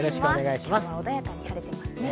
今は穏やかに晴れていますね。